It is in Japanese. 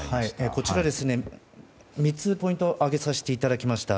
こちら、３つポイント挙げさせていただきました。